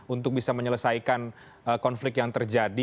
untuk bisa menyelesaikan konflik yang terjadi